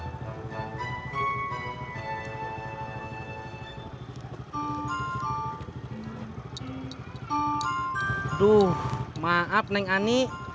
aduh maaf neng ani